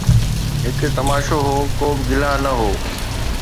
هڪ تماشو هو، ڪو به گلا نه هو